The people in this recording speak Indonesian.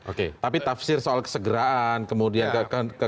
oke tapi tafsir soal kesegeraan kemudian